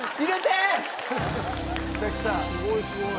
すごいすごい。